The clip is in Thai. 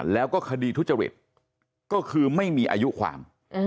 แล้วก็คดีทุจริตก็คือไม่มีอายุความ